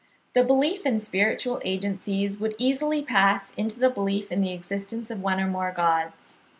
The belief in spiritual agencies would easily pass into the belief in the existence of one or more gods.